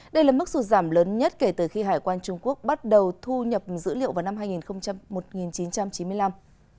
đây là mức xuất giảm lớn nhất kể từ khi hải quan trung quốc bắt đầu thu nhập dữ liệu vào năm một nghìn chín trăm chín mươi năm